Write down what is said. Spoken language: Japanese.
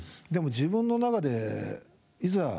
でも自分の中でいざ